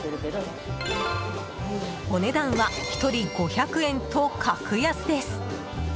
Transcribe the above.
お値段は、１人５００円と格安です。